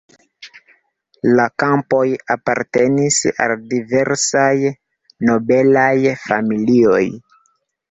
La kampoj apartenis al diversaj nobelaj familioj.